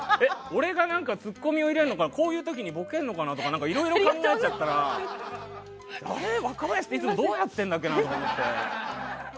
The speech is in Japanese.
俺が何かツッコみを入れるのかなこういう時にボケるのかなとかいろいろ考えちゃったら若林っていつもどうやってるんだっけなって。